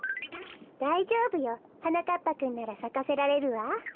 だいじょうぶよ。はなかっぱくんならさかせられるわ。